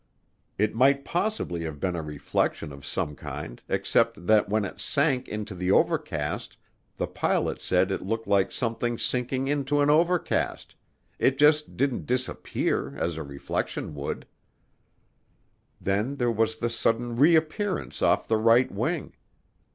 It might possibly have been a reflection of some kind except that when it "sank" into the overcast the pilot said it looked like something sinking into an overcast it just didn't disappear as a reflection would. Then there was the sudden reappearance off the right wing.